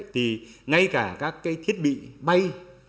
thì ngay cả các thiết bị bay